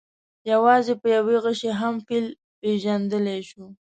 یوازې په یوه غشي هم فیل پېژندلی شو.